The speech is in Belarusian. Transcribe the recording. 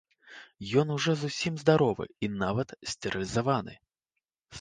Ён ужо зусім здаровы і нават стэрылізаваны.